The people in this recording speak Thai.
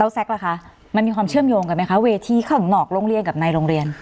แซ็กล่ะคะมันมีความเชื่อมโยงกันไหมคะเวทีข้างนอกโรงเรียนกับในโรงเรียน